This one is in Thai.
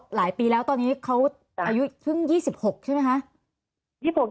หลายปีแล้วตอนนี้เขาอายุเพิ่ง๒๖ใช่ไหมคะ